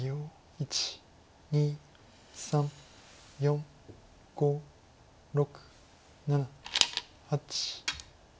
１２３４５６７８。